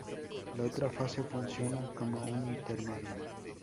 La otra fase funciona como un intermedio.